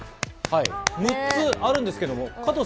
６つあるんですけど。